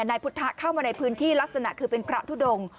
นายพุทธเข้ามาในพื้นที่ลักษณะคือเป็นพระทุดง